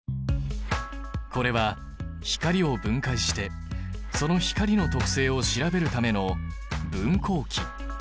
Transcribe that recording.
これは光を分解してその光の特性を調べるための分光器。